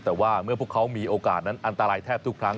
แต่ว่าเมื่อพวกเขามีโอกาสนั้นอันตรายแทบทุกครั้ง